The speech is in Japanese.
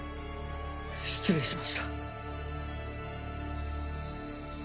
失礼しました。